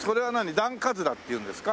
段っていうんですか？